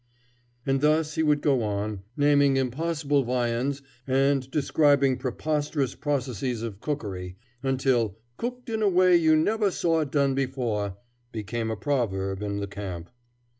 And thus he would go on, naming impossible viands and describing preposterous processes of cookery, until "cooked in a way you never saw it done before" became a proverb in the camp.